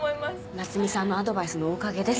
奈津美さんのアドバイスのおかげです。